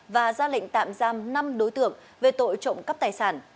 và ra lệnh tạm giam năm đối tượng về tội trộm cắp tài sản